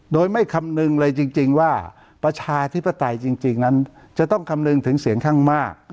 โดยไม่คำนึงเลยจริงว่าประชาธิปไตยจริงนั้นจะต้องคำนึงถึงเสียงข้างมาก